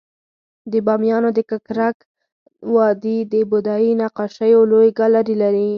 د بامیانو د ککرک وادی د بودایي نقاشیو لوی ګالري لري